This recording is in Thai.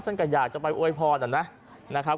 ฉันก็อยากจะไปโอ้ยพรนะนะครับ